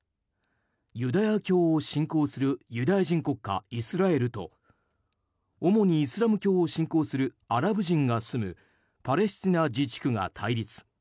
ユダヤ教を信仰するユダヤ人国家イスラエルと主にイスラム教を信仰するアラブ人が住むパレスチナ自治区が対立。